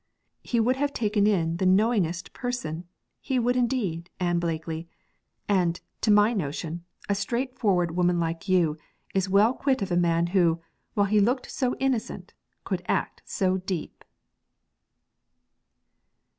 'He would have taken in the knowingest person, he would indeed, Ann Blakely; and, to my notion, a straightforward woman like you is well quit of a man who, while he looked so innocent, could act so deep.'